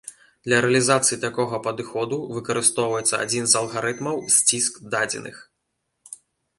Для рэалізацыі такога падыходу выкарыстоўваецца адзін з алгарытмаў сціск дадзеных.